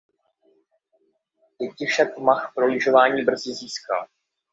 Děti však Mach pro lyžování brzy získal.